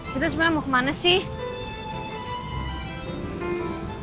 kita sebenarnya mau kemana sih